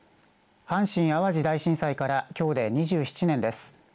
阪神・淡路大震災からきょうで２７年です。